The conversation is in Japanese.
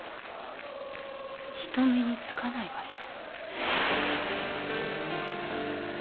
人目につかない場所。